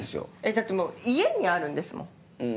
だってもう家にあるんですもん。